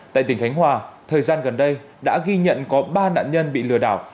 tại tỉnh khánh hòa thời gian gần đây đã ghi nhận có ba nạn nhân bị lừa đảo